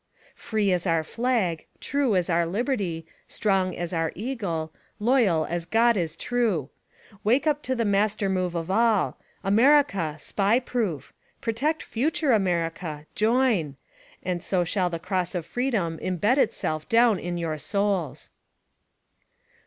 Free as our flag; true as our Hberty; strong as our eagle; loyal as GOD is true! Wake up to the master move of all! AMERICA, SPY PROOF! Protect future America — JOIN ! And so shall the cross of freedom imbed itself down in your souls.